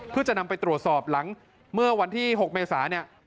เพื่อจะนำไปตรวจสอบหลังเมื่อวันที่๖เมษาเนี่ย